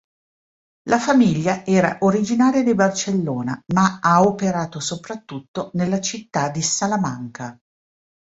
La famiglia era originaria di Barcellona ma ha operato soprattutto nella città di Salamanca.